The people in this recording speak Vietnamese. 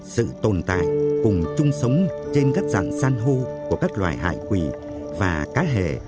sự tồn tại cùng chung sống trên các dạng san hô của các loài hải quỷ và cá hề